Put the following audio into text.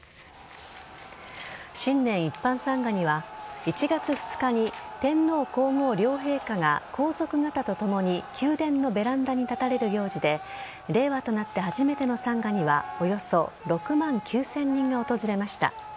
新年一般参賀には１月２日に天皇皇后両陛下が皇族方とともに宮殿のベランダに立たれる行事で令和となって初めての参賀にはおよそ６万９０００人が訪れました。